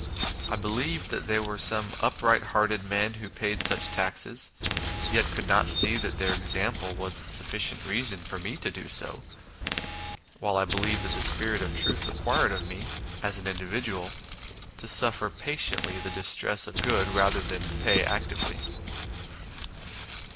I believed that there were some upright hearted men who paid such taxes, yet could not see that their example was a INTRODUCTION 13 sufficient reason for me to do so, while I believe that the spirit of truth required of me, as an individual, to suffer patiently the distress of goods, rather than pay actively."